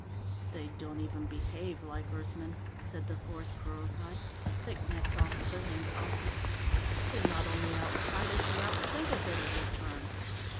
"They don't even behave like Earthmen," said the fourth Kerothi, a thick necked officer named Ossif. "They not only outfight us, they outthink us at every turn.